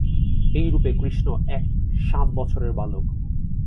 এই রূপে কৃষ্ণ এক সাত বছরের বালক।